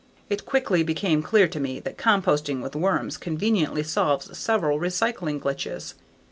It quickly became clear to me that composting with worms conveniently solves several recycling glitches.